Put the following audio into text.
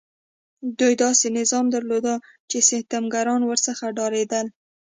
دوی داسې نظام درلود چې ستمګران ورڅخه ډارېدل.